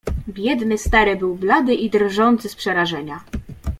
"Biedny stary był blady i drżący z przerażenia."